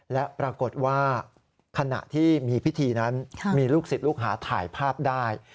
และปรากฏว่าขณะที่มีพิธีนั้นมีลูกศิษย์ลูกหาถ่ายภาพได้